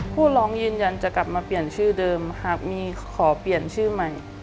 ผู้ร้องยืนยันจะกลับมาเปลี่ยนชื่อเดิมหากมีขอเปลี่ยนชื่อใหม่